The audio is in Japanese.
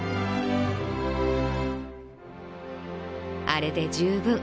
「あれで十分。